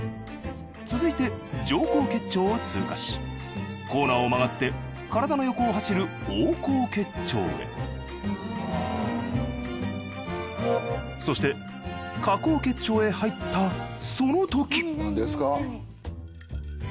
続いて上行結腸を通過しコーナーを曲がって体の横を走る横行結腸へそして下行結腸へ入ったそのとき！